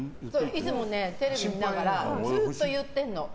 いつもね、テレビ見ながらずっと言ってるの。